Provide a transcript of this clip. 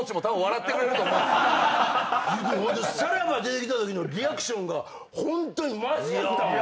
でもさらば出てきたときのリアクションがホントにマジやったもん！